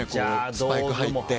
スパイク履いて。